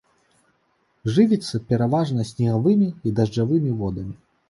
Жывіцца пераважна снегавымі і дажджавымі водамі.